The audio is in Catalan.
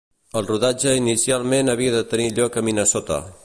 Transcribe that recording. El rodatge inicialment havia de tenir lloc a Minnesota.